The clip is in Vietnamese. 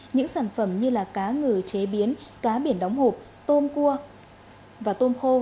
những sản phẩm như cá ngừ chế biến cá biển đóng hộp tôm cua và tôm khô